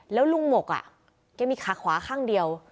แล้วลุงหมกแกมีขาขวาข้างเดียว